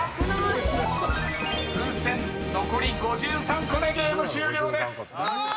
［風船残り５３個でゲーム終了です］